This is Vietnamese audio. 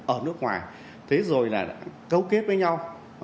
ở nước ngoài thế rồi là cấu kết với nhau